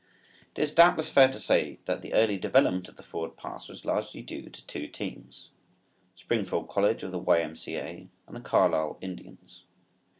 It is doubtless fair to say that the early development of the forward pass was largely due to two teams, Springfield College of the Y. M. C. A. and the Carlisle Indians.